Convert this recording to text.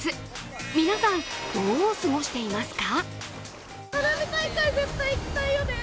皆さん、どう過ごしていますか。